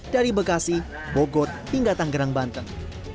dari bekasi bogor hingga tanggerang banten